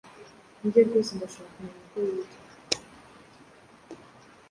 Nibyo rwose ndashaka kumenya uko yitwa